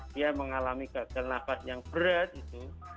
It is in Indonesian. dia mengalami gagal nafas yang berat itu